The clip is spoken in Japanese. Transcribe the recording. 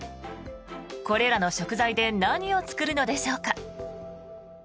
これらの食材で何を作るのでしょうか。